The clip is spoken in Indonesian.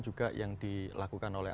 juga yang dilakukan oleh